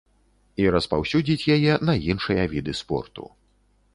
І распаўсюдзіць яе на іншыя віды спорту.